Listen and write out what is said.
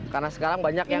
karena sekarang banyak yang